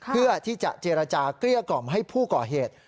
เพื่อที่จะเจรจาเกลี้ยกล่อมให้ผู้ก่อเหตุ